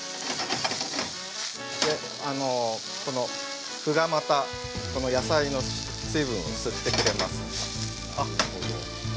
この麩がまたこの野菜の水分を吸ってくれます。